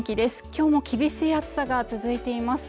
今日も厳しい暑さが続いています